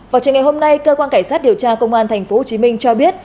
vào trường ngày hôm nay cơ quan cảnh sát điều tra công an tp hcm cho biết